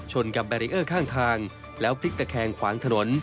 กับแบรีเออร์ข้างทางแล้วพลิกตะแคงขวางถนน